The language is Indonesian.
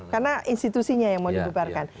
karena institusinya yang mau dibubarkan